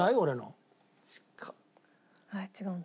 違うんだ。